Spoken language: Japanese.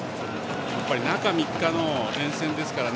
中３日の連戦ですからね